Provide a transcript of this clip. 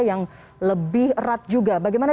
yang lebih erat juga bagaimana